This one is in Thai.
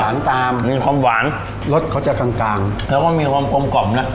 ตามมีความหวานรสเขาจะกลางกลางแล้วก็มีความกลมกล่อมนะ